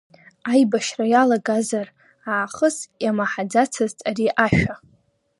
Аибашьра иалагазар аахыс иамаҳацызт ари ашәа.